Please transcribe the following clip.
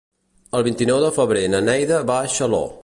El vint-i-nou de febrer na Neida va a Xaló.